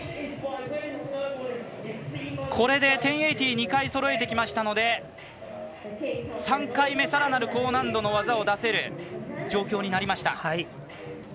これで１０８０２回そろえてきましたので３回目、さらなる高難度の技を出せる状況になりました。